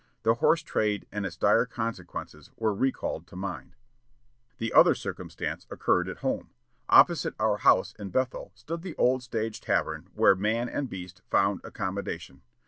The horse trade and its dire consequences were recalled to mind. "The other circumstance occurred at home. Opposite our house in Bethel stood the old stage tavern where 'man and beast' found accommodation.